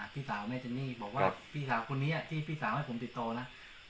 พี่สาวแม่เจนนี่บอกว่าพี่สาวคนนี้ที่พี่สาวให้ผมติดต่อนะ